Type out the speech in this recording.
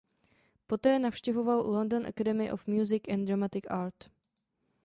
Poté navštěvoval London Academy of Music and Dramatic Art.